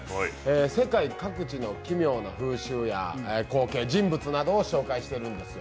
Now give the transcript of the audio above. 世界各地の奇妙な風習や光景人物などを紹介しているんです。